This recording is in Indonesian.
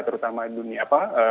terutama dunia apa